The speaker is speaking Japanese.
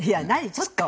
ちょっと！